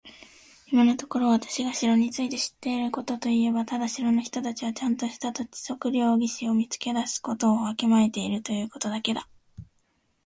今のところ私が城について知っていることといえば、ただ城の人たちはちゃんとした土地測量技師を見つけ出すことをわきまえているということだけだ。